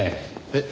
えっ？